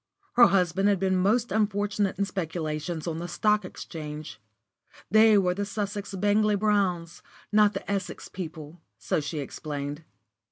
Her husband had been most unfortunate in speculations on the Stock Exchange. They were the Sussex Bangley Browns, not the Essex people, so she explained.